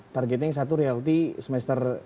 targetnya yang satu reality semester